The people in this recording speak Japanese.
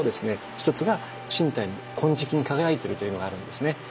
一つが身体に金色に輝いてるというのがあるんですね。